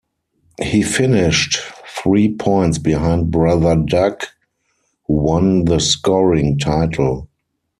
He finished three points behind brother Doug, who won the scoring title.